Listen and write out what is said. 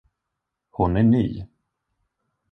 Hon är ny.